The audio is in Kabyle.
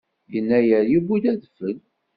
Yennayer yuwi-d adfel.